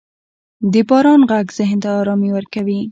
• د باران ږغ ذهن ته آرامي ورکوي.